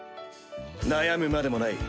悩むまでもない。